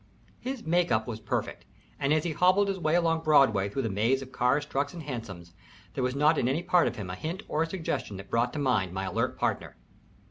His make up was perfect, and as he hobbled his way along Broadway through the maze of cars, trucks, and hansoms, there was not in any part of him a hint or a suggestion that brought to mind my alert partner.